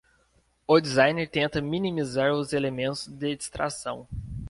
O design tenta minimizar os elementos de distração.